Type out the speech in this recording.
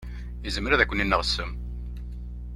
Izmer ad ken-ineɣ ssem.